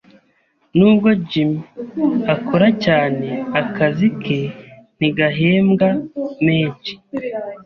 [S] Nubwo Jim akora cyane, akazi ke ntigahembwa menshi.